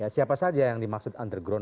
siapa saja yang dimaksud underground